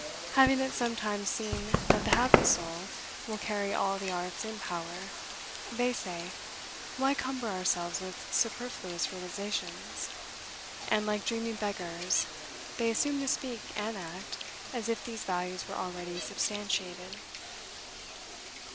Having at some time seen that the happy soul will carry all the arts in power, they say, Why cumber ourselves with superfluous realizations? and, like dreaming beggars, they assume to speak and act as if these values were already substantiated.